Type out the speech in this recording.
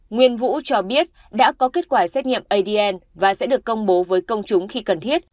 nguyên vũ cho biết đã có kết quả xét nghiệm adn và sẽ được công bố với công chúng khi cần thiết